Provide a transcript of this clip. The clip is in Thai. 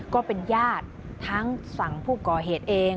ก็เป็นญาติทั้งฝั่งผู้ก่อเหตุเอง